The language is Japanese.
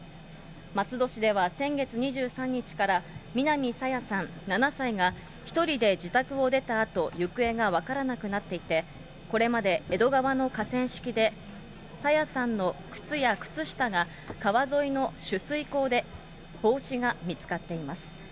松戸市では先月２３日から、南朝芽さん７歳が、１人で自宅を出たあと、行方が分からなくなっていて、これまで江戸川の河川敷で、朝芽さんの靴や靴下が川沿いの取水口で帽子が見つかっています。